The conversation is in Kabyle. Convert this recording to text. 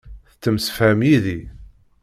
Tettemsefham yid-i.